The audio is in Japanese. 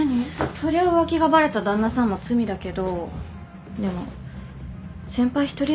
そりゃ浮気がバレた旦那さんも罪だけどでも先輩一人だけが被害者なんですかね？